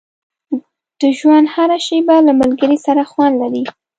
• د ژوند هره شېبه له ملګري سره خوند لري.